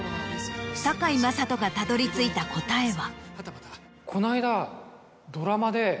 堺雅人がたどり着いた答えは。